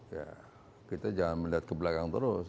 ya kita jangan melihat ke belakang terus